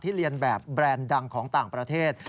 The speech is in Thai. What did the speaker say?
เรียนแบบแบรนด์ดังของต่างประเทศ